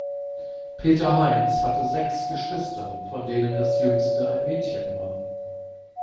Peter-Heinz hatte sechs Geschwister, von denen das jüngste ein Mädchen war.